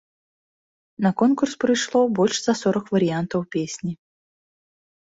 На конкурс прыйшло больш за сорак варыянтаў песні.